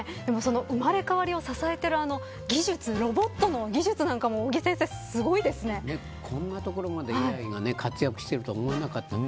生まれ変わりを支えている技術ロボットの技術もこんなところまでＡＩが活躍していると思わなかった。